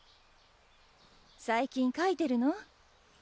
最近書いてるの？